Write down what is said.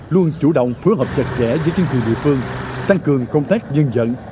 luôn chủ động phối hợp chặt chẽ với chiến thị địa phương tăng cường công tác nhân dận